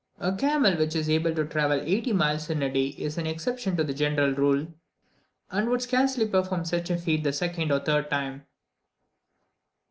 A camel which is able to travel eighty miles in a day is an exception to the general rule, and would scarcely perform such a feat the second or third time.